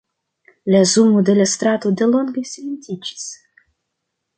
La zumo de la strato delonge silentiĝis.